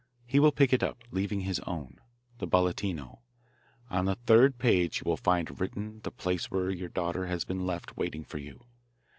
He will pick it up, leaving his own, the Bolletino. On the third page you will find written the place where your daughter has been left waiting for you.